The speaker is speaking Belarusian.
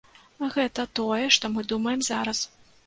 Гэта тое, што мы думаем зараз.